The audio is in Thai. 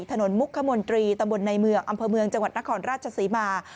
มุกขมนตรีตำบลในเมืองอำเภอเมืองจังหวัดนครราชศรีมา